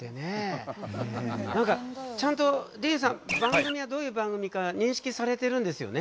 何かちゃんとディーンさん番組がどういう番組か認識されているんですよね？